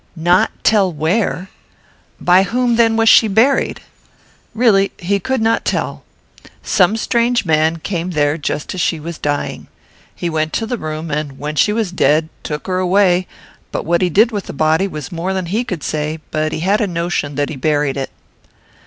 Not tell where? By whom, then, was she buried? Really, he could not tell. Some strange man came there just as she was dying. He went to the room, and, when she was dead, took her away, but what he did with the body was more than he could say, but he had a notion that he buried it.